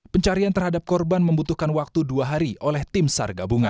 pencarian terhadap korban membutuhkan waktu dua hari oleh tim sar gabungan